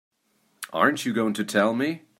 Aren't you going to tell me?